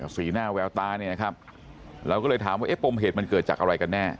สีหน้าแววตาเนี่ยนะครับเราก็เลยถามว่าเอ๊ะปมเหตุมันเกิดจากอะไรกันแน่